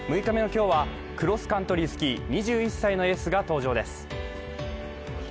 ６日目の今日は、クロスカントリースキー、２１歳のエースが登場です。